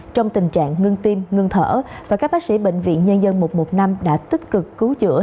trong tình trạng ngưng tim ngưng thở và các bác sĩ bệnh viện nhân dân một trăm một mươi năm đã tích cực cứu chữa